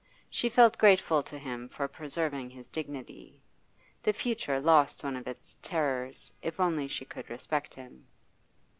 She felt grateful to him for preserving his dignity. The future lost one of its terrors if only she could respect him.